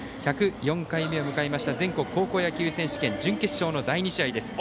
１０４回目を迎えました全国高校野球選手権準決勝の第２試合です。